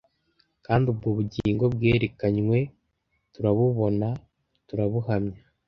Kandi ubwo Bugingo bwarerekanywe, turabubona, turabuhamya